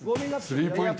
スリーポイント。